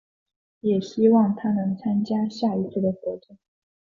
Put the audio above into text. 也希望她能参加下一次的活动。